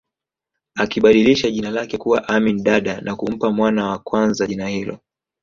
Akibadilisha jina lake kuwa Amin Dada na kumpa mwana wa kwanza jina hilo